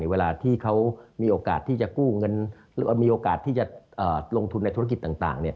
เวลาที่เขามีโอกาสที่จะกู้เงินมีโอกาสที่จะลงทุนในธุรกิจต่าง